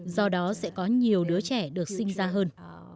do đó sẽ có nhiều đứa trẻ được sinh ra hơn